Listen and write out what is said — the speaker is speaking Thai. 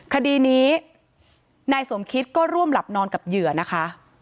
คดีนี้นายสมคิตก็ร่วมหลับนอนกับเหยื่อนะคะ